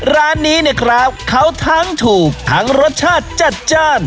ร้านนี้เนี่ยครับเขาทั้งถูกทั้งรสชาติจัดจ้าน